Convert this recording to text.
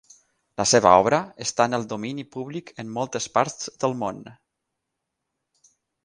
La seva obra està en el domini públic en moltes parts del món.